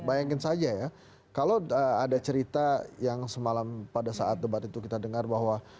bayangin saja ya kalau ada cerita yang semalam pada saat debat itu kita dengar bahwa